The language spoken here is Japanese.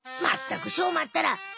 まったくしょうまったら！